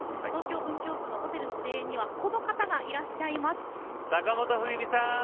東京・文京区のホテルの庭園にはこの方がいらっしゃいます。